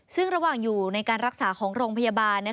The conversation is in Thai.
ซึ่งระหว่างอยู่ในการรักษาของโรงพยาบาล